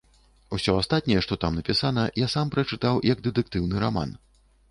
Усё астатняе, што там напісана, я сам прачытаў як дэтэктыўны раман.